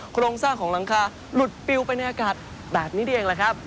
โครงสร้างของหลังคาหลุดปิวไปในอากาศแบบนี้นี่เองแหละครับ